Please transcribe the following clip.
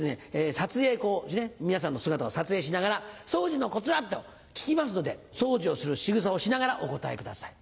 撮影皆さんの姿を撮影しながら「掃除のコツは？」と聞きますので掃除をするしぐさをしながらお答えください。